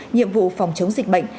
nhiệm vụ phòng chống dịch bệnh